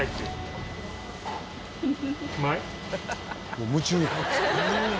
「もう夢中」